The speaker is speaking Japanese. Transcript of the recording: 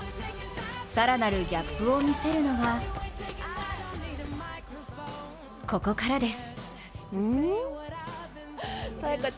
更なるギャップを見せるのはここからです。